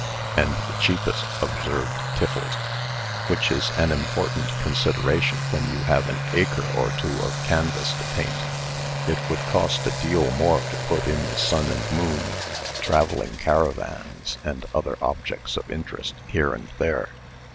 "And the cheapest," observed Tiffles; "which is an important consideration when you have an acre or two of canvas to paint. It would cost a deal more to put in the sun and moon, travelling caravans, and other objects of interest, here and there."